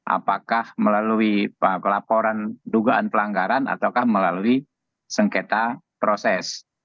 apakah melalui pelaporan dugaan pelanggaran ataukah melalui sengketa proses